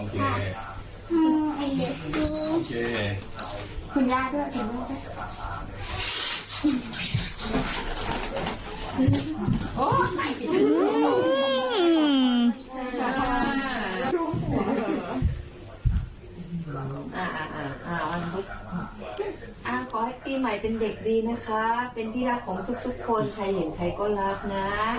ขอให้ปี่ใหม่เป็นเด็กดีนะคะเป็นที่รักของทุกคน